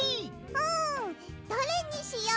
うんどれにしよう？